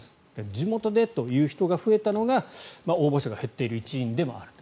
地元でという人が増えたのが応募者が減っている一因でもあると。